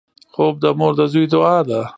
خوب د مور د زوی دعا ده